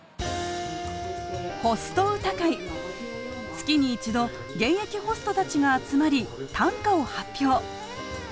月に１度現役ホストたちが集まり短歌を発表。